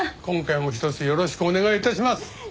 今回もひとつよろしくお願い致します。